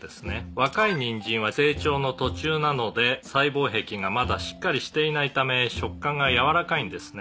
「若いニンジンは成長の途中なので細胞壁がまだしっかりしていないため食感がやわらかいんですね」